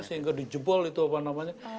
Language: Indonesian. sehingga di jebol itu apa namanya